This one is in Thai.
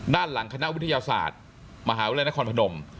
ด้านหลังคณะวิทยาศาสตร์มหาวิทยาลัยนครพนม